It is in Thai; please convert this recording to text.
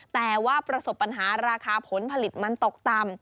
แต่ว่าประสบปัญหาราคาผลผลิตมันตกต่ำ